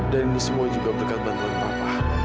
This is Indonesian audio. dan ini semua juga berkat bantuan papa